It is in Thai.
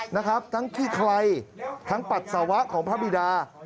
นะครับทั้งขี้ไครทั้งปัสสาวะของพระบิดา